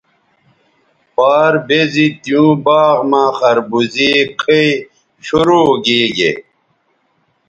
پار بیزی تیوں باغ مہ خربوزے کھئ شروع گیگے